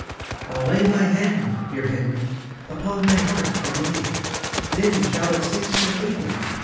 "I'll lay my hand, dear Henry, Upon thy heart again. Then shall it cease from bleeding.